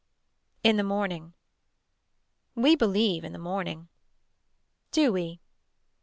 In the morning. We believe in the morning Do we.